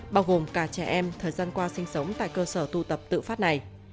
bao gồm cả trẻ em thời gian qua sinh sống tại cơ sở tu tập tự phát này